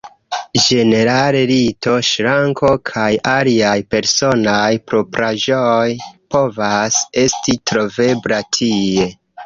Ĝenerale, lito, ŝranko, kaj aliaj personaj propraĵoj povas esti trovebla tie.